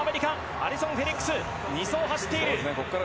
アリソン・フェリックス２走を走っている！